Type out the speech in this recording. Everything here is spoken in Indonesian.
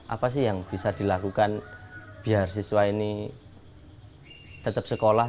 apa sih yang bisa dilakukan biar siswa ini tetap sekolah